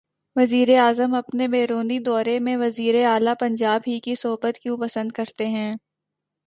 وزیراعظم اپنے بیرونی دورے میں وزیر اعلی پنجاب ہی کی صحبت کیوں پسند کرتے ہیں؟